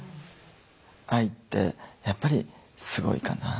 愛ってやっぱりすごいかな。